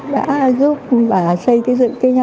đã giúp bà xây dựng cái nhà này